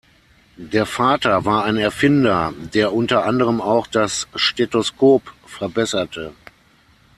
Der Vater war ein Erfinder, der unter anderem auch das Stethoskop verbesserte.